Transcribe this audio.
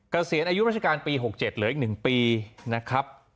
เกษียณอายุราชการปี๖๗เหลืออีก๑ปีนะครับ